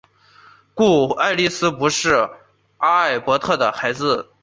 故爱丽丝不应是阿尔伯特的孩子。